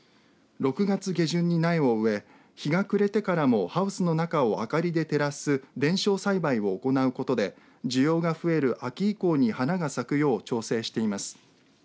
６月下旬に苗を植え日が暮れてからもハウスの中を明かりで照らす電照栽培を行うことで需要が増える秋以降に花が咲くよう調整しています。